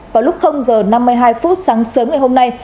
vào lúc h năm mươi hai sáng sớm ngày hôm nay